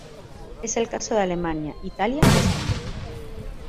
Es el caso de Alemania, Italia o España.